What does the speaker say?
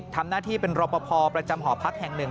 ทำหน้าที่เป็นรอปภประจำหอพักแห่งหนึ่ง